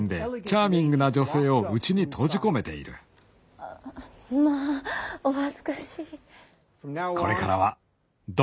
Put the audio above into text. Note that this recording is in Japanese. あぁまぁお恥ずかしい。